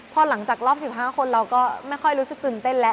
พอหลังจากรอบ๑๕คนเราก็ไม่ค่อยรู้สึกตื่นเต้นแล้ว